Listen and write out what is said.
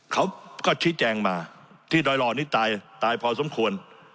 เขาก็ที่แจ้งมาที่ดอยรอนี่ตายตายพอสมควร